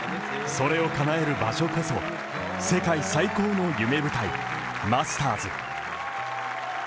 それをかなえる場所こそ世界最高の夢舞台マスターズ。